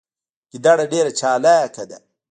ګیدړه ډیره چالاکه ده